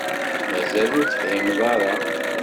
Mazal ur tefhimeḍ ara.